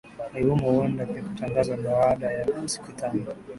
i humo huenda ykatagazwa baada ya siku tano